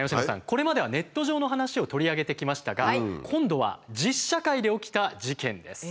これまではネット上の話を取り上げてきましたが今度は実社会で起きた事件です。